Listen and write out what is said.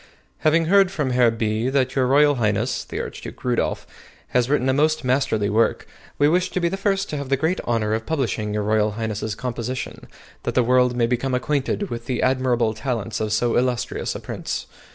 Having heard from Herr B. that Y.R. Highness [the Archduke Rudolph] has written a most masterly work, we wish to be the first to have the great honor of publishing Y.R. Highness's composition, that the world may become acquainted with the admirable talents of so illustrious a Prince.